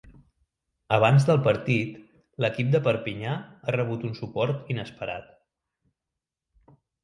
Abans del partit, l’equip de Perpinyà ha rebut un suport inesperat.